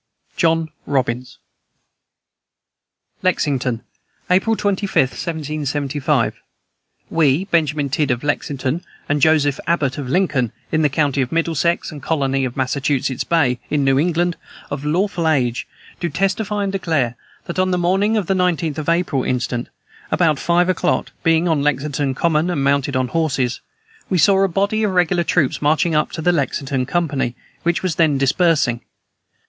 "JOHN ROBINS." "LEXINGTON, April 25, 1775. "We, Benjamin Tidd, of Lexington, and Joseph Abbot, of Lincoln, in the county of Middlesex, and colony of Massachusetts Bay, in New England, of lawful age, do testify and declare that, on the morning of the 19th of April instant, about five o'clock, being on Lexington common, and mounted on horses, we saw a body of regular troops marching up to the Lexington company, which was then dispersing.